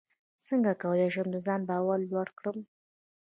څنګه کولی شم د ځان باور لوړ کړم